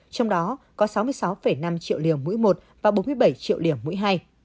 trong đó có sáu mươi sáu năm triệu liều mũi một và bốn mươi bảy triệu liều mũi hai